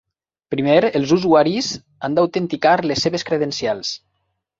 Primer, els usuaris han d'autenticar les seves credencials.